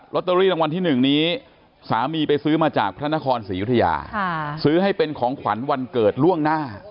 ตเตอรี่รางวัลที่๑นี้สามีไปซื้อมาจากพระนครศรียุธยาซื้อให้เป็นของขวัญวันเกิดล่วงหน้า